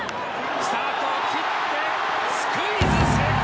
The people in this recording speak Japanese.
スタートをきってスクイズ成功！